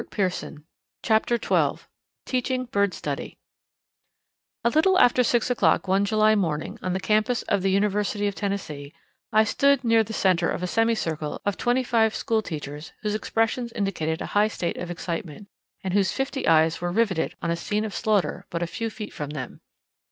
CHAPTER XII TEACHING BIRD STUDY A little after six o'clock one July morning on the campus of the University of Tennessee, I stood near the centre of a semi circle of twenty five school teachers whose expressions indicated a high state of excitement, and whose fifty eyes were riveted on a scene of slaughter but a few feet from them.